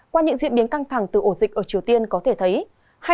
qua những diễn biến căng thẳng từ ổ dịch ở triều tiên có thể thấy